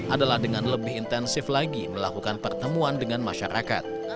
adalah dengan lebih intensif lagi melakukan pertemuan dengan masyarakat